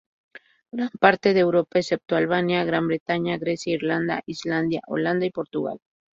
Gran parte de Europa, excepto Albania, Gran Bretaña, Grecia, Irlanda, Islandia, Holanda y Portugal.